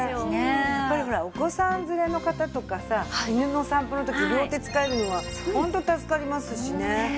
やっぱりほらお子さん連れの方とかさ犬の散歩の時両手使えるのはホント助かりますしね。